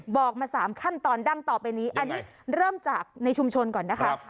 บอกมา๓ขั้นตอนดั้งต่อไปนี้อันนี้เริ่มจากในชุมชนก่อนนะคะ